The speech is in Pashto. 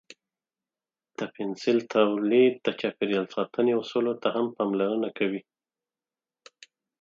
د پنسل تولید د چاپیریال ساتنې اصولو ته هم پاملرنه کوي.